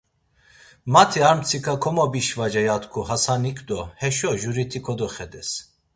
Mati ar mtsika komobişvaca ya tku Xasanik do heşo juriti kodoxedes.